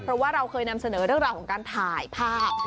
เพราะว่าเราเคยนำเสนอเรื่องราวของการถ่ายภาพ